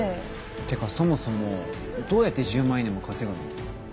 ってかそもそもどうやって１０万イイネも稼ぐの？